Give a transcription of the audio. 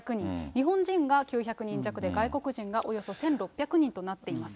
日本人が９００人弱で、外国人がおよそ１６００人となっています。